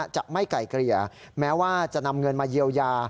จะไม่ไกลเกลี่ยแม้ว่าจะนำเงินมาเยียวยา